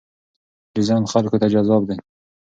ډیزاین خلکو ته جذاب دی.